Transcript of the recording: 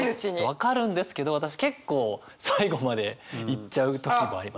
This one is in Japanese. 分かるんですけど私結構最後までいっちゃう時もあります。